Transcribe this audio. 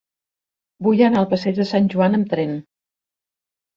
Vull anar al passeig de Sant Joan amb tren.